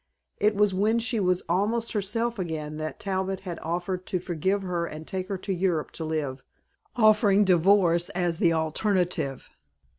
It was when she was almost herself again that Talbot had offered to forgive her and take her to Europe to live, offering divorce as the alternative.